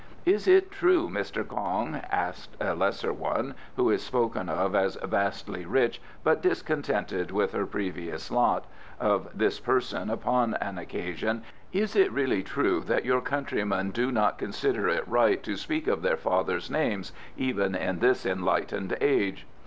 "Is it true, Mr. Kong," asked a lesser one, who is spoken of as vastly rich but discontented with her previous lot, of this person upon an occasion, "is it really true that your countrymen to not consider it right to speak of their fathers' names, even in this enlightened age?"